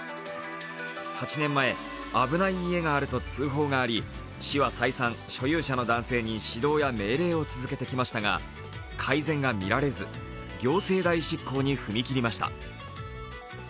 ８年前、危ない家があると通報があり、市は再三、所有者の男性に指導や命令を続けてきましたが、改善が見られず、行政代執行に踏み切りました。